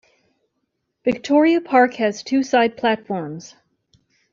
Victoria Park has two side platforms.